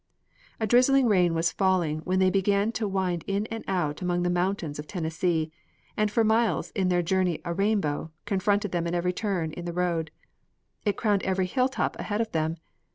A drizzling rain was falling when they began to wind in and out among the mountains of Tennessee, and for miles in their journey a rainbow confronted them at every turn in the road. It crowned every hilltop ahead of them.